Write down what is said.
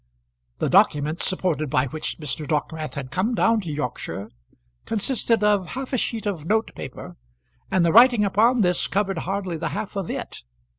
The document, supported by which Mr. Dockwrath had come down to Yorkshire, consisted of half a sheet of note paper, and the writing upon this covered hardly the half of it.